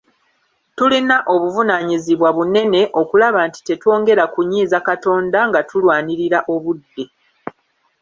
Tulina obuvunaanyizibwa bunene okulaba nti tetwongera kunyiiza Katonda nga tulwanirira obudde.